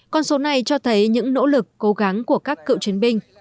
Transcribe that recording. còn số này cho thấy những nỗ lực cố gắng của các cựu chiến binh làm chủ